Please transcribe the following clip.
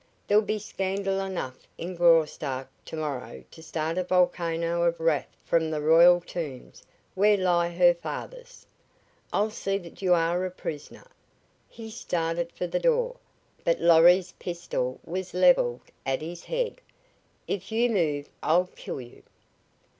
There'll be scandal enough in Graustark to morrow to start a volcano of wrath from the royal tombs where lie her fathers. I'll see that you are a prisoner!" He started for the door, but Lorry's pistol was leveled at his head. "If you move I'll kill you!"